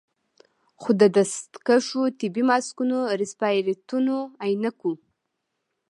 خو د دستکشو، طبي ماسکونو، رسپايرتورونو، عينکو